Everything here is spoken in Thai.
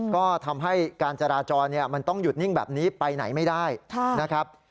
ก็ทำให้การจราจรมันต้องหยุดนิ่งแบบนี้ไปไหนไม่ได้นะครับ